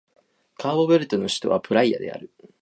カーボベルデの首都はプライアである